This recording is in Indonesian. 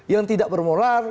yang tidak bermular